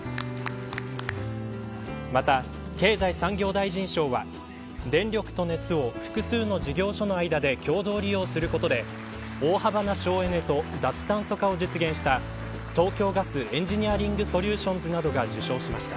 また、経済産業大臣賞は電力と熱を、複数の事業者の間で共同利用することで大幅な省エネと脱炭素化を実現した東京ガスエンジニアリングソリューションズなどが受賞しました。